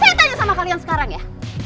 saya tanya sama kalian sekarang ya